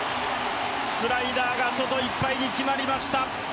スライダーが外いっぱいに決まりました。